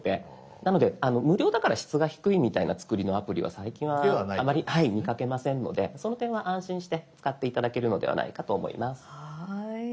なので無料だから質が低いみたいな作りのアプリは最近はあまり見かけませんのでその点は安心して使って頂けるのではないかと思います。